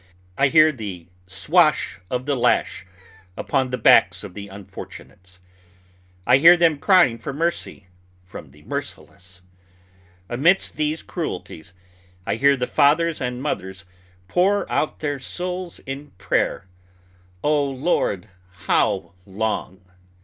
I hear the swash of the lash upon the backs of the unfortunates; I hear them crying for mercy from the merciless. Amidst these cruelties I hear the fathers and mothers pour out their souls in prayer, "O, Lord, how long!"